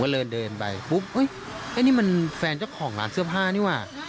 ก็เลยเดินไปปุ๊บนี่มันแฟนเจ้าของร้านเสื้อผ้านี่ว่ะ